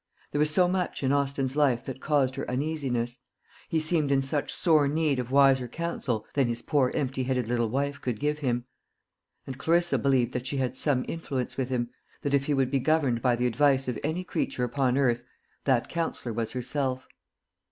There was so much in Austin's life that caused her uneasiness; he seemed in such sore need of wiser counsel than his poor empty headed little wife could give him; and Clarissa believed that she had some influence with him: that if he would be governed by the advice of any creature upon earth, that counsellor was herself.